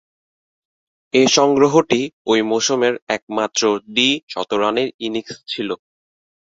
এ সংগ্রহটি ঐ মৌসুমের একমাত্র দ্বি-শতরানের ইনিংস ছিল।